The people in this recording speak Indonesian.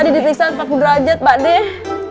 tadi diperiksa sepaku derajat pak deh